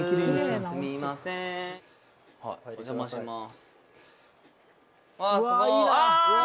はいお邪魔します